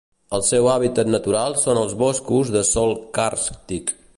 El seu hàbitat natural són els boscos de sòl càrstic.